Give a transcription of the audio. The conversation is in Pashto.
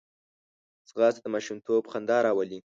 ځغاسته د ماشومتوب خندا راولي